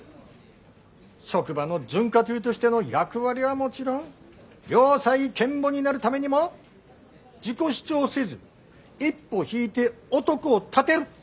職場の潤滑油としての役割はもちろん良妻賢母になるためにも自己主張せず一歩引いて男を立てる。